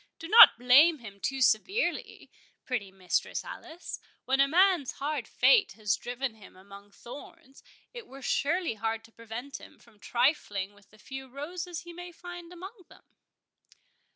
—Do not blame him too severely, pretty Mistress Alice; when a man's hard fate has driven him among thorns, it were surely hard to prevent him from trifling with the few roses he may find among them?"